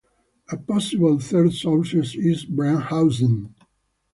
A possible third source is Brennhausen.